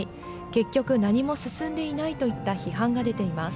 結局、何も進んでいないといった批判が出ています。